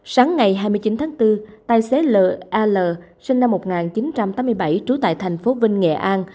sáng ngày hai mươi chín tháng bốn tài xế l a sinh năm một nghìn chín trăm tám mươi bảy trú tại thành phố vinh nghệ an